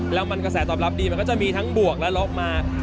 แล้วมันกระแสตอบรับดีมันก็จะมีทั้งบวกและล็อกมา